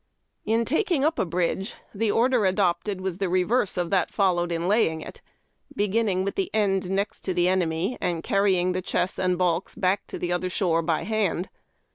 In taking up a bridge, the order adopted was the reverse of that followed in laying it, beginning with the end next the enemy, and carrying the chess and balks back to the other shore by hand.